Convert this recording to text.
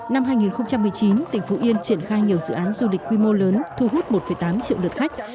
năm hai nghìn một mươi chín tỉnh phú yên triển khai nhiều dự án du lịch quy mô lớn thu hút một tám triệu lượt khách